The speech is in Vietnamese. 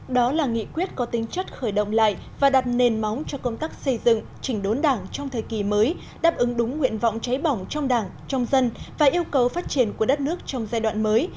đó là nghị quyết có tính chất khởi động lại và đặt nền móng cho công tác xây dựng chỉnh đốn đảng trong thời kỳ mới đáp ứng đúng nguyện vọng cháy bỏng trong đảng trong dân và yêu cầu phát triển của đất nước trong giai đoạn mới